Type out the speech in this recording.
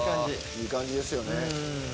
いい感じですよね。